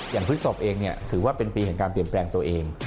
พฤศพเองถือว่าเป็นปีแห่งการเปลี่ยนแปลงตัวเอง